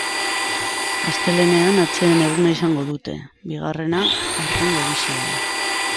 Astelehenean atseden eguna izango dute, bigarrena aurtengo edizioan.